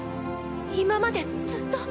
今までずっと。